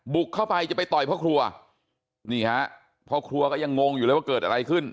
บุกเข้าไปจะไปต่อยพ่อครัวนี่ฮะพ่อครัวก็ยังงงอยู่เลยว่าเกิดอะไรขึ้น